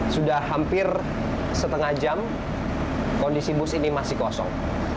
sudah hampir setengah jam kondisi bus ini masih kosong